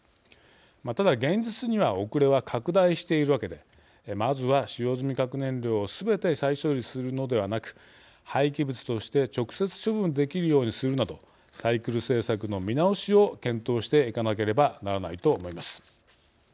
ただ、現実には遅れは拡大しているわけでまずは、使用済み核燃料をすべて再処理するのではなく廃棄物として直接、処分できるようにするなどサイクル政策の見直しを検討していかなければならないと思います。